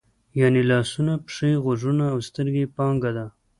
یعنې لاسونه، پښې، غوږونه او سترګې یې پانګه ده.